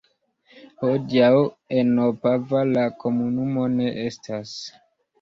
Hodiaŭ en Opava la komunumo ne estas.